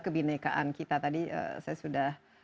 kebinekaan kita tadi saya sudah